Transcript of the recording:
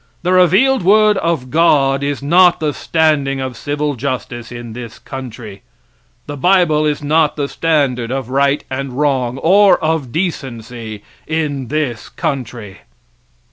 The revealed word of God is not the standing of civil justice in this country! The bible is not the standard of right and wrong or of decency in this country.